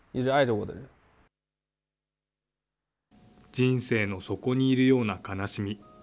人生の底にいるような悲しみ。